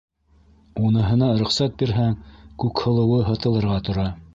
Уныһына рөхсәт бирһәң, Күкһылыуы һытылырға тора.